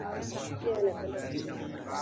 Yeye anapenda kucheza.